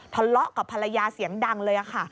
ทะเลาะกับภรรยาเสียงดังเลยค่ะ